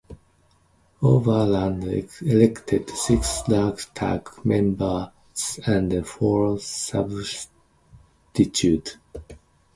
Oberland elected six Landtag members and four substitutes.